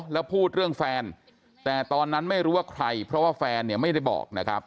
แล้วพูดเรื่องแฟนแต่ตอนนั้นไม่รู้ว่าใครเพราะว่าแฟนเนี่ยไม่ได้บอกนะครับ